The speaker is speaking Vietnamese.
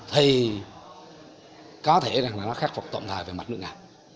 thì có thể là nó khắc phục tổn thời về mạch nước nhà